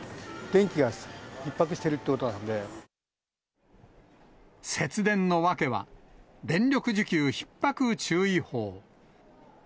電気がひっ迫しているということ節電の訳は、電力需給ひっ迫注意報。